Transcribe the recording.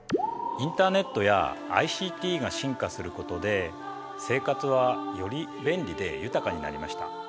インターネットやＩＣＴが進化することで生活はより便利で豊かになりました。